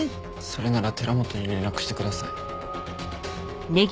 それなら寺本に連絡してください。